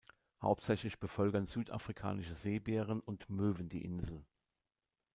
Hauptsächlich bevölkern Südafrikanische Seebären und Möwen die Insel.